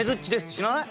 知らない？